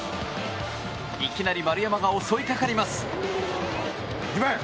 いきなり丸山が襲いかかります。